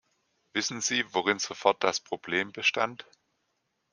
Wissen Sie, worin sofort das Problem bestand?